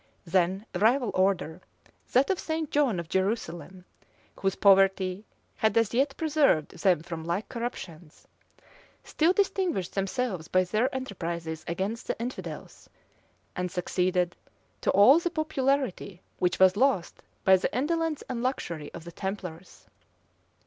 Then rival order, that of St. John of Jerusalem, whose poverty had as yet preserved them from like corruptions, still distinguished themselves by their enterprises against the infidels, and succeeded to all the popularity which was lost by the indolence and luxury of the templars.